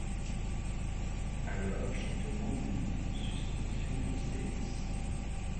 Alors je demande une suspension de séance